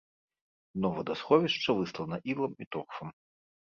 Дно вадасховішча выслана ілам і торфам.